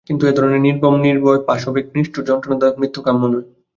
কিন্তু এ ধরনের নির্মম, নির্দয়, পাশবিক, নিষ্ঠুর যন্ত্রণাদায়ক মৃত্যু কাম্য নয়।